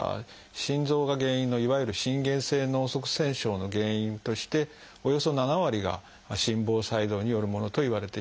心臓が原因のいわゆる心原性脳塞栓症の原因としておよそ７割が心房細動によるものといわれています。